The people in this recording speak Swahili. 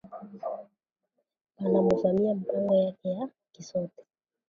Bana muvamia mpango yake ya kisote